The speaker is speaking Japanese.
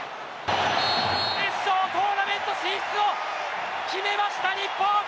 決勝トーナメント進出を決めました、日本。